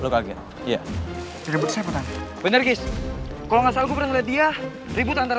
kejar kejar kejar